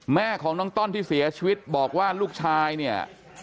แม่ของน้องต้อนที่เสียชีวิตบอกว่าลูกชายเนี่ย